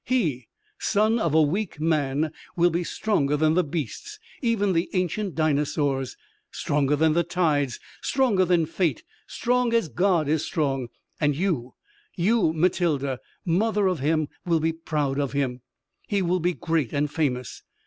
He, son of a weak man, will be stronger than the beasts, even than the ancient dinosaurs, stronger than the tides, stronger than fate strong as God is strong. And you you, Matilda mother of him, will be proud of him. He will be great and famous.